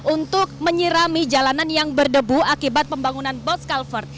untuk menyirami jalanan yang berdebu akibat pembangunan bos culvert